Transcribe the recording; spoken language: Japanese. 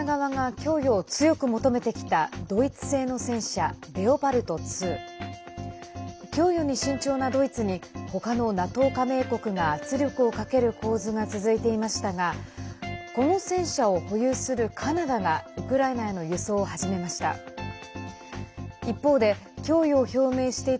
供与に慎重なドイツに他のＮＡＴＯ加盟国が圧力をかける構図が続いていましたがこの戦車を保有するカナダがウクライナへの輸送を始めました。